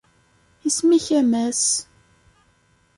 Isem-ik, a Mass?